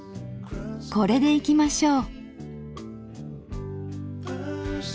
これでいきましょう。